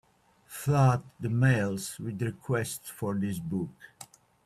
Flood the mails with requests for this book.